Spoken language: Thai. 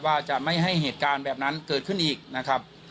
ว่าจะไม่ให้เหตุการณ์แบบนั้นเกิดขึ้นอีกนะครับ